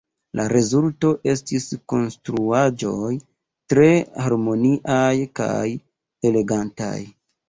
La rezulto estis konstruaĵoj tre harmoniaj kaj elegantaj.